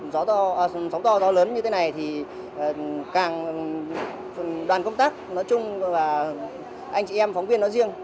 gió to sóng to gió lớn như thế này thì càng đoàn công tác nói chung và anh chị em phóng viên nói riêng